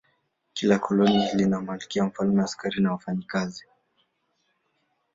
Kila koloni lina malkia, mfalme, askari na wafanyakazi.